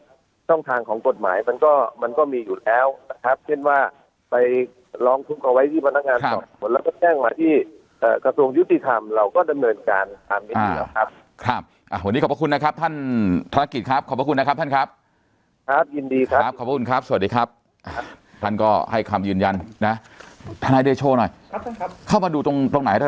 ขั้นต้องทางของกฎหมายมันก็มันก็มีอยู่แล้วนะครับเช่นว่าไปลองกินวัยพี่พนักงานก็วลก็แน่งมาที่กระทรวงยุติธรรมแล้วก็ดำเนินการครับ